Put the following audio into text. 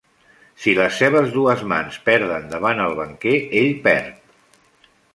Si les seves dues mans perden davant el banquer, ell perd.